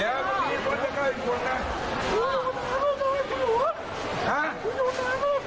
พ่อไม่ต้องห่วงอะไรที่พ่อห่วงพ่อไม่ต้องห่วง